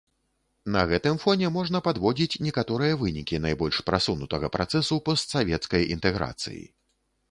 На гэтым фоне можна падводзіць некаторыя вынікі найбольш прасунутага працэсу постсавецкай інтэграцыі.